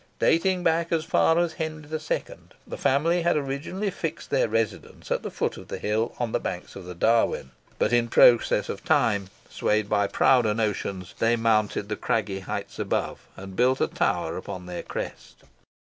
Dating back as far as Henry II., the family had originally fixed their residence at the foot of the hill, on the banks of the Darwen; but in process of time, swayed by prouder notions, they mounted the craggy heights above, and built a tower upon their crest.